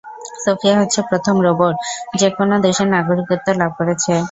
Sophia হচ্ছে প্রথম robot যে কোন দেশের নাগরিকত্ব লাভ করেছে।